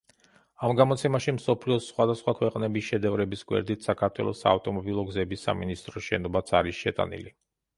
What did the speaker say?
ამ გამოცემაში მსოფლიოს სხვადასხვა ქვეყნების შედევრების გვერდით საქართველოს საავტომობილო გზების სამინისტროს შენობაც არის შეტანილი.